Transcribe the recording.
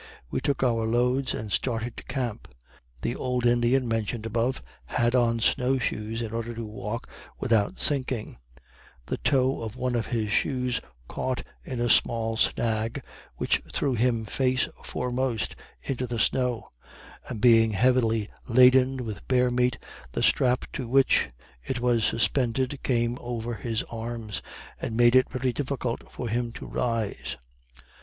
We took our loads and started to camp. The old Indian mentioned above had on snow shoes in order to walk without sinking; the toe of one of his shoes caught in a small snag which threw him face foremost into the snow, and being heavily laden with bear meat, the strap to which it was suspended came over his arms, and made it very difficult for him to rise.